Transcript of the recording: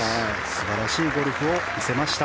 素晴らしいゴルフを見せました。